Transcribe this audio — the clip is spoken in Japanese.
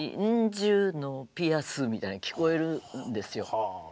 「真珠のピアス」みたいに聴こえるんですよ。